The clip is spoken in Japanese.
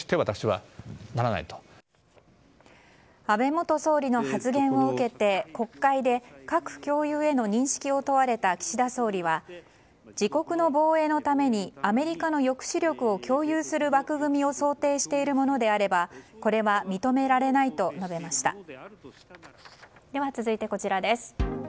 安倍元総理の発言を受けて国会で核共有への認識を問われた岸田総理は自国の防衛のためにアメリカの抑止力を共有する枠組みを想定しているものであればこれは認められないと述べました。